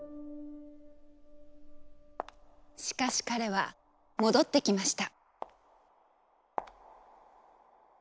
しかし彼は戻ってきました。